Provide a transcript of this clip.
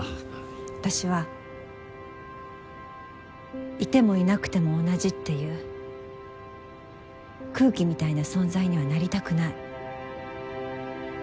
私はいてもいなくても同じっていう空気みたいな存在にはなりたくない。